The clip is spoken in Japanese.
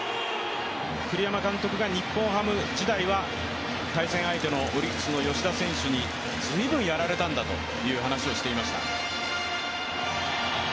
栗山監督が日本ハム時代は対戦相手のオリックスの吉田選手に随分やられたんだという話をしていました。